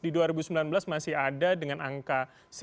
di dua ribu sembilan belas masih ada dengan angka seribu enam ratus